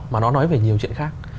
mà nó nói về nhiều chuyện khác